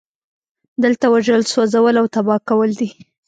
دلته وژل سوځول او تباه کول دي